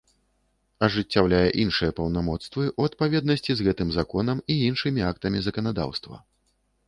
Ажыццяўляе iншыя паўнамоцтвы ў адпаведнасцi з гэтым Законам i iншымi актамi заканадаўства.